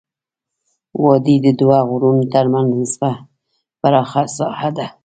وادي د دوه غرونو ترمنځ نسبا پراخه ساحه ده.